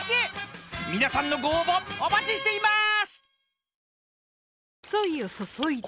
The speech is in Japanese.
［皆さんのご応募お待ちしています！］